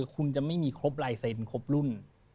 คุณจะไม่มีครบลายเซ็นต์ครบรุ่น